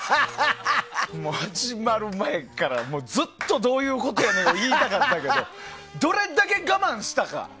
始まる前からずっとどういうことやねんを言いたかったけどどれだけ我慢したか。